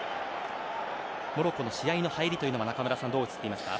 モロッコの試合の入りというのは中村さん、どう映っていますか？